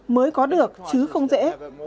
mới có được chứ không dễ